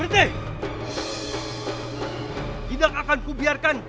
tidak akan kubiarkan